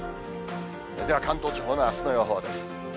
では関東地方のあすの予報です。